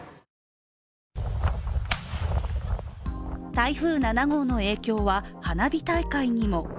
台風７号の影響は花火大会にも。